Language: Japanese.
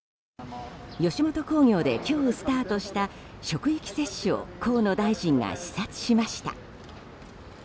吉本興業で今日スタートした職域接種を河野大臣が視察しました。